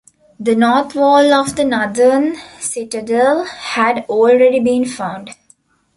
The north wall of the Northern Citadel had already been found.